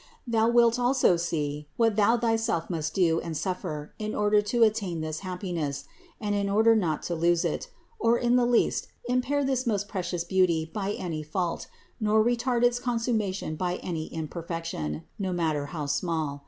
Thou wilt also see what thou thyself must do and suffer in order to attain this happiness, and in order not to lose, or in the least impair this most precious beauty by any fault, nor retard its consummation by any imperfection, no matter how small.